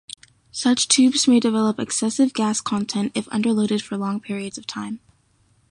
Such tubes may develop excessive gas content if underloaded for long periods of time.